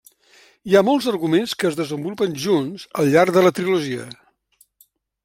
Hi ha molts arguments que es desenvolupen junts al llarg de la trilogia.